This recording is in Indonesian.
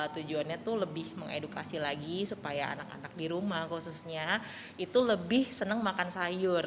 tujuannya tuh lebih mengedukasi lagi supaya anak anak di rumah khususnya itu lebih senang makan sayur